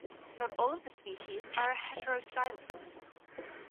Not all of the species are heterostylous.